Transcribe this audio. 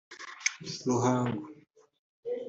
Ruhango